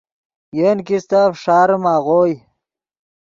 ین کیستہ فݰاریم آغوئے۔